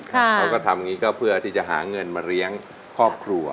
เขาก็ทำอย่างนี้ก็เพื่อที่จะหาเงินมาเลี้ยงครอบครัว